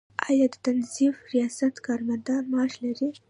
آیا د تنظیف ریاست کارمندان معاش لري؟